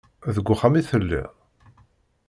Deg uxxam i telliḍ?